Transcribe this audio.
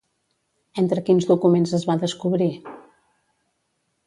Entre quins documents es va descobrir?